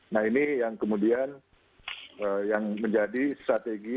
nah ini yang kemudian yang menjadi strategi